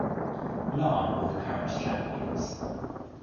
Larne were the current champions.